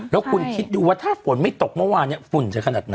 แล้วคุณคิดดูว่าถ้าฝนไม่ตกเมื่อวานฝุ่นจะขนาดไหน